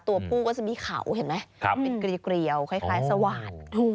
ตัวผู้ก็จะมีเขาเห็นไหมเป็นเกลียวคล้ายสว่าน